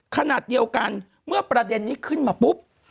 ขณะเดียวกันเมื่อประเด็นนี้ขึ้นมาปุ๊บ